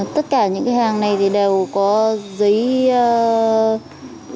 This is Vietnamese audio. tất cả những cái hàng này thì đều có giấy ủy nhiệm sản xuất hết ạ